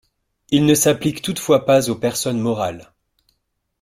Il ne s'applique toutefois pas aux personnes morales.